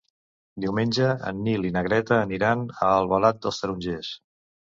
Diumenge en Nil i na Greta aniran a Albalat dels Tarongers.